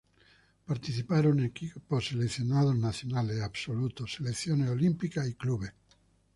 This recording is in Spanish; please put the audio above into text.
Participaron equipos seleccionados nacionales absolutos, selecciones olímpicas y clubes.